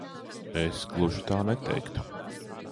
Es gluži tā neteiktu.